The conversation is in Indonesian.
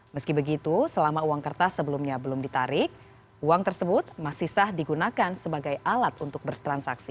meski begitu selama uang kertas sebelumnya belum ditarik uang tersebut masih sah digunakan sebagai alat untuk bertransaksi